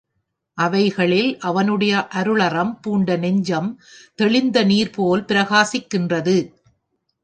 அவைகளில் அவனுடைய அருளறம் பூண்ட நெஞ்சம் தெளிந்த நீர் போல் பிரகாசிக்கின்றது.